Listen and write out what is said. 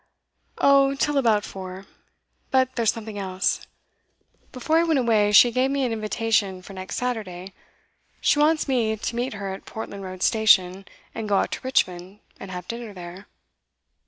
'Till about four. But there's something else. Before I went away she gave me an invitation for next Saturday. She wants me to meet her at Portland Road Station, and go out to Richmond, and have dinner there.